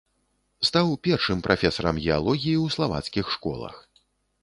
Стаў першым прафесарам геалогіі ў славацкіх школах.